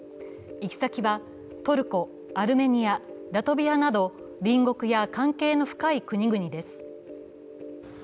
行き先はトルコ、アルメニア、ラトビアなど隣国や関係の深い国々です。